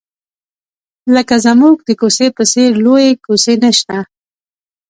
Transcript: لکه زموږ د کوڅې په څېر لویې کوڅې نشته.